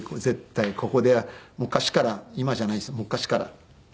絶対ここで昔から今じゃないです昔から。